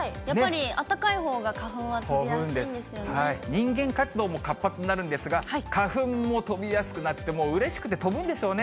人間活動も活発になるんですが、花粉も飛びやすくなってもう、うれしくて飛ぶんでしょうね。